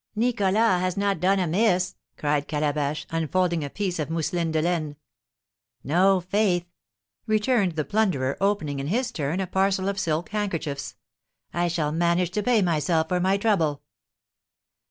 "Nicholas has not done amiss!" cried Calabash, unfolding a piece of mousseline de laine. "No, faith!" returned the plunderer, opening, in his turn, a parcel of silk handkerchiefs; "I shall manage to pay myself for my trouble."